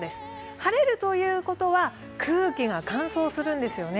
晴れるということは空気が乾燥するんですよね。